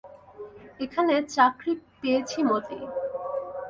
এখানে চাকরি পেয়েছি মতি।